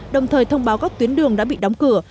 đồng thời thông báo các tuyến đường đã bị đóng cửa